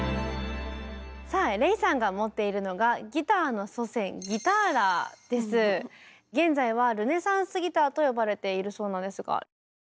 さあＲｅｉさんが持っているのが現在はルネサンスギターと呼ばれているそうなんですが。